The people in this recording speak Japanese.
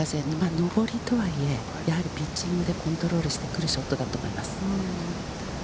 上りとはいえ、ピッチングでコントロールしてくるショットだと思います。